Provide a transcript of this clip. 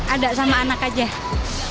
ada sama anak aja